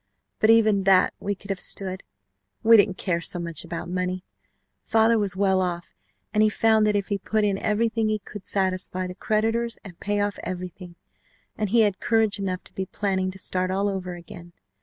But even that we could have stood. We didn't care so much about money. Father was well off, and he found that if he put in everything he could satisfy the creditors, and pay off everything, and he had courage enough to be planning to start all over again.